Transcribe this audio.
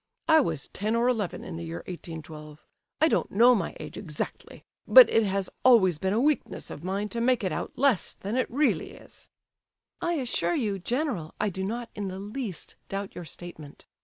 I was ten or eleven in the year 1812. I don't know my age exactly, but it has always been a weakness of mine to make it out less than it really is." "I assure you, general, I do not in the least doubt your statement.